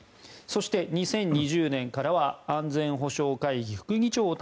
そして２０２０年からは安全保障会議副議長を